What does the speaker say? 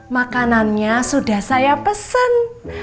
makanannya sudah saya pesen